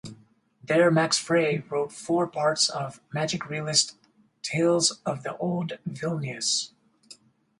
There, Max Frei wrote four parts of magic realist "Tales of the Old Vilnius".